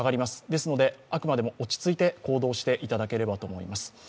ですので、あくまでも落ち着いて行動していただければと思います。